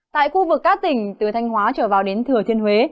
tại khu vực các tỉnh từ thanh hóa trở vào đến thừa thiên huế